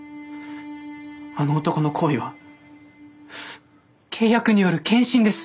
あの男の好意は契約による献身です。